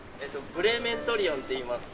ブレーメントリオンっていいます。